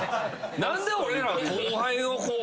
何で俺らは後輩をこう。